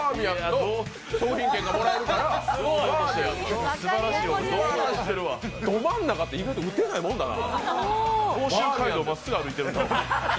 ど真ん中って、意外と打てないもんだな。